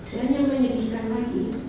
dan yang menyedihkan lagi